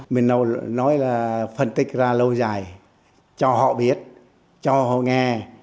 mình nói là phân tích ra lâu dài cho họ biết cho họ nghe